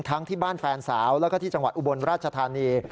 ที่บ้านแฟนสาวแล้วก็ที่จังหวัดอุบลราชธานี